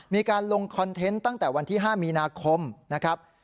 มีการลงคอนเทนต์ตั้งแต่วันที่๕มีนาคมนะครับ